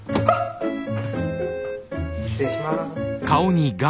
失礼します。